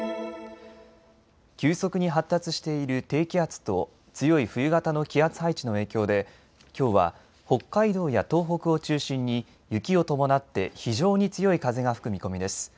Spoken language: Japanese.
急速に発達している低気圧と強い冬型の気圧配置の影響できょうは北海道や東北を中心に雪を伴って非常に強い風が吹く見込みです。